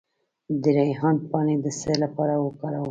د ریحان پاڼې د څه لپاره وکاروم؟